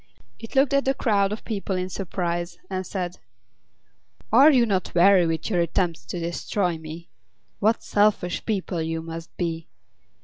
It looked at the crowd of people in surprise, and said: "Are you not weary with your attempts to destroy me? What selfish people you must be!